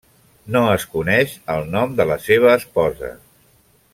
No es coneix el nom de la seva esposa.